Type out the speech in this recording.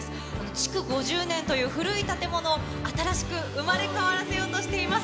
築５０年という古い建物を新しく生まれ変わらせようとしています。